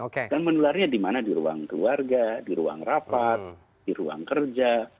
menularnya di mana di ruang keluarga di ruang rapat di ruang kerja